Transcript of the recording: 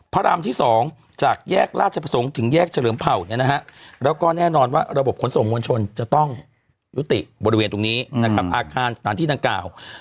พระรามที่สองจากแยกราชประสงค์ถึงแยกเฉลิมเผ่าแล้วก็แน่นอนว่าระบบขนส่งวัญชนจะต้องยุติบริเวณตรงนี้นะครับอาคารฐานที่ทางเก่า